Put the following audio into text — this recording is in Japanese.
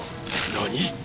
何⁉